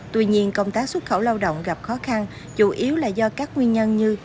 tuy nhiên công tác xuất khẩu lao động gặp khó khăn chủ yếu là do các nguyên nhân như